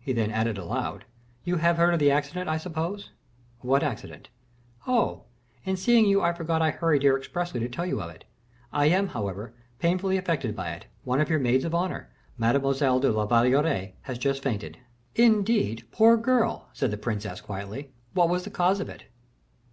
He then added aloud, "You have heard of the accident, I suppose?" "What accident?" "Oh! in seeing you I forgot I hurried here expressly to tell you of it. I am, however, painfully affected by it; one of your maids of honor, Mademoiselle de la Valliere, has just fainted." "Indeed! poor girl," said the princess, quietly, "what was the cause of it?"